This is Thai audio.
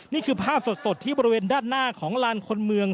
นี่คือภาพสดที่บริเวณด้านหน้าของลานคนเมือง